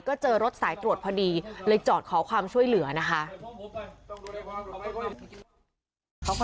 ก็เจอรถสายตรวจพอดีเลยจอดขอความช่วยเหลือนะคะ